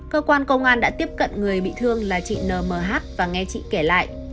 cơ quan công an đã tiếp cận người bị thương là chị n m h và nghe chị kể lại